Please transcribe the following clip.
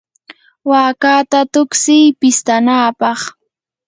waakata tuksiy pistanapaq.